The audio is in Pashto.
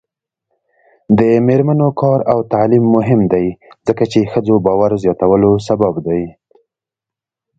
د میرمنو کار او تعلیم مهم دی ځکه چې ښځو باور زیاتولو سبب دی.